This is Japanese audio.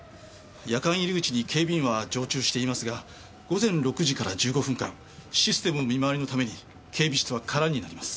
夜間入り口に警備員は常駐していますが午前６時から１５分間システム見回りのために警備室は空になります。